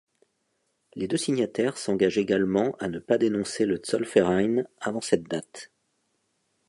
Les deux signataires s’engagent également à ne pas dénoncer le Zollverein avant cette date.